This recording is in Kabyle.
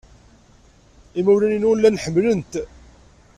Imawlan-inu llan ḥemmlen-t.